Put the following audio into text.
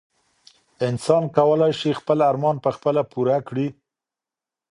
انسان کولای شي خپل ارمان په خپله پوره کړي.